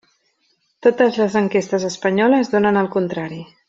Totes les enquestes espanyoles donen el contrari.